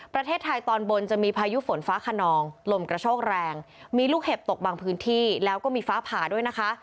ประเทศไทยตอนบนจะมีพายุฝนฟ้าขนองลมกระโชกแรงมีลูกเห็บตกบางพื้นที่แล้วก็มีฟ้าผ่าด้วยนะคะ